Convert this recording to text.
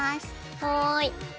はい。